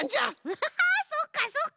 ウハハそっかそっか！